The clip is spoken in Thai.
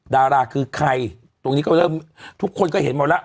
ดาราคือใครตรงนี้ก็เริ่มทุกคนก็เห็นหมดแล้ว